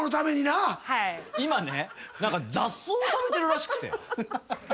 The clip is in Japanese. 今ね雑草を食べてるらしくて。